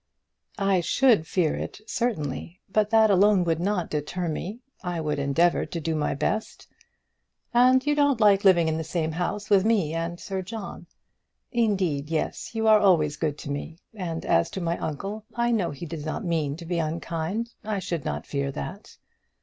"I should fear it certainly; but that alone would not deter me. I would endeavour to do my best." "And you don't like living in the same house with me and Sir John." "Indeed, yes; you are always good to me; and as to my uncle, I know he does not mean to be unkind. I should not fear that."